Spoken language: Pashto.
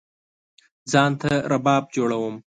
ځان ته رباب جوړوم